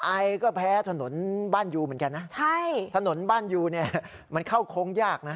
ไอก็แพ้ถนนบ้านยูเหมือนกันนะใช่ถนนบ้านยูเนี่ยมันเข้าโค้งยากนะ